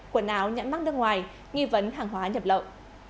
quần áo nhãn mắc nước ngoài nghi vấn hàng hóa nhập lậu